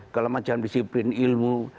gala macam disiplin ilmu